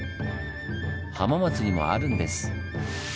浜松にもあるんです。